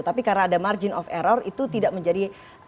tapi karena ada margin of error itu tidak menjadi